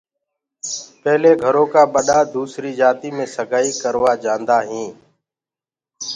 پيلي گھرو ڪآ ٻڏآ سگائي دوسري جآتي مي سگائي ڪروآ جاندآ هينٚ۔